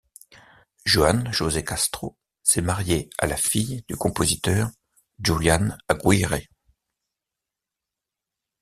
Juan José Castro s'est marié à la fille du compositeur Julián Aguirre.